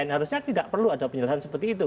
harusnya tidak perlu ada penjelasan seperti itu